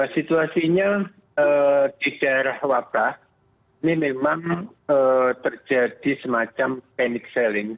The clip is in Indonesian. situasinya di daerah wabah ini memang terjadi semacam panic selling